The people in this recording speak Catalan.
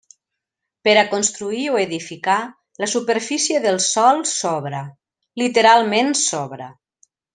Per a construir o edificar, la superfície del sòl sobra, literalment sobra.